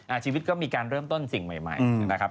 ชีวิตก็มีการเริ่มต้นสิ่งใหม่ใหม่นะครับ